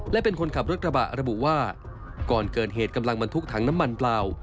และเป็นคนขับรถกระบะระบุว่าก่อนเกิดเหตุกำลังบรรทุกถังน้ำมันเปล่า